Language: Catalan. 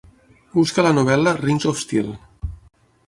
Busca la novel·la Rings of steel